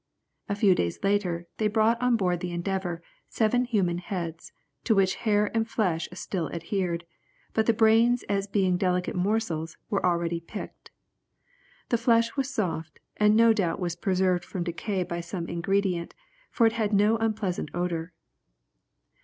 A few days later, they brought on board the Endeavour seven human heads, to which hair and flesh still adhered, but the brains as being delicate morsels, were already picked. The flesh was soft, and no doubt was preserved from decay by some ingredient, for it had no unpleasant odour.